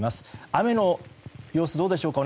雨の様子はどうでしょうか。